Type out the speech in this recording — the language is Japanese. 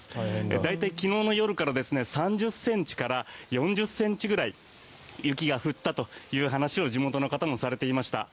大体、昨日の夜から３０ｃｍから４０ｃｍくらい雪が降ったという話を地元の方もされていました。